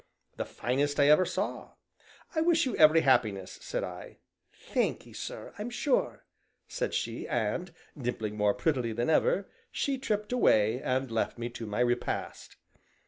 "The finest I ever saw. I wish you every happiness," said I. "Thankee sir, I'm sure," said she, and, dimpling more prettily than ever, she tripped away, and left me to my repast.